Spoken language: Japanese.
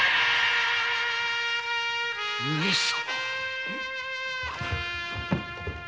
上様？